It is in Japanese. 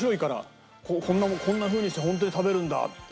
こんなふうにしてホントに食べるんだって。